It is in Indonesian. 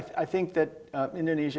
di mana indonesia